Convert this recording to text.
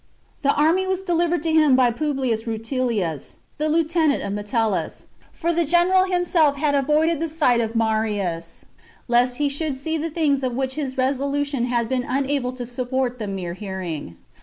The army was delivered to him by Publius Rutilius, the lieutenant of Metellus; for the general himself had avoided the sight of Marius, lest he should see the things of which his resolution had been unable to support the mere hearing.